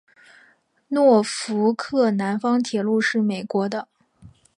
诺福克南方铁路是美国的。